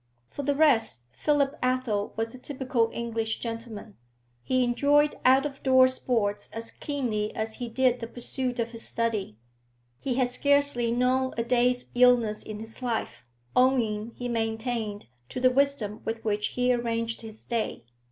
For the rest, Philip Athel was a typical English gentleman. He enjoyed out of door sports as keenly as he did the pursuit of his study; he had scarcely known a day's illness in his life, owing, he maintained, to the wisdom with which he arranged his day.